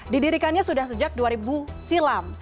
didirikannya sudah sejak dua ribu silam